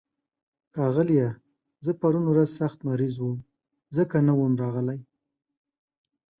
ښاغليه، زه پرون ورځ سخت مريض وم، ځکه نه وم راغلی.